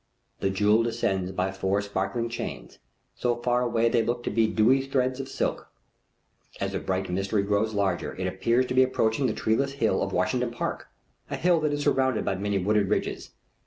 The jewel descends by four sparkling chains, so far away they look to be dewy threads of silk. As the bright mystery grows larger it appears to be approaching the treeless hill of Washington Park, a hill that is surrounded by many wooded ridges.